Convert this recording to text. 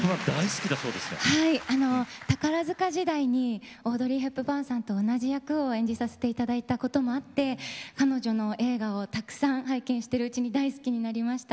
宝塚時代にオードリー・ヘプバーンさんと同じ役を演じさせていただいたこともあって彼女の映画をたくさん拝見してるうちに大好きになりました。